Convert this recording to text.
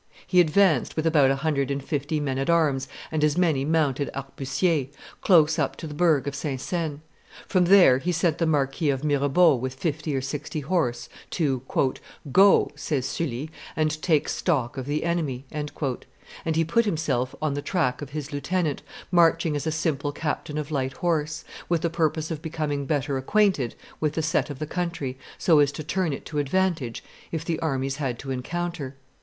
He advanced, with about a hundred and fifty men at arms and as many mounted arquebusiers, close up to the burgh of Saint Seine; from there he sent the Marquis of Mirebeau with fifty or sixty horse to "go," says Sully, "and take stock of the enemy;" and he put himself on the track of his lieutenant, marching as a simple captain of light horse, with the purpose of becoming better acquainted with the set of the country, so as to turn it to advantage if the armies had to encounter.